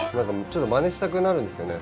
ちょっとまねしたくなるんですよね